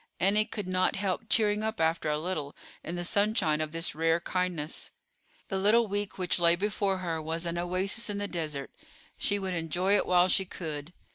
Annie could not help cheering up after a little, in the sunshine of this rare kindness. The little week which lay before her was an oasis in the desert; she would enjoy it while she could.